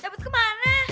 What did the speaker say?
cabut aja udah cepetan